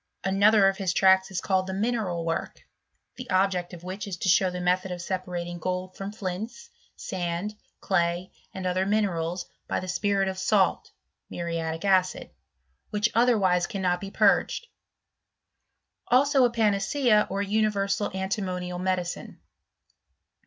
If Another of his tracts is called " The Mineral Work;*' the object of which is to show the method of separat ing gold from flints, sand, clay, and other minerals, by the spirit of salt {muriatic acid)^ which otherwise cannot be purged ; also a panacea, or universal anti monial medicine.